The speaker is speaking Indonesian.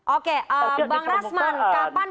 oke bang rasman